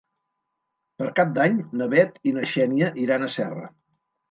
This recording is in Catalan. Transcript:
Per Cap d'Any na Bet i na Xènia iran a Serra.